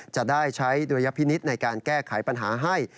จะได้ใช้ดุลยพินิษฐ์ในการแก้ไขปัญหาให้